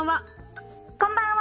こんばんは。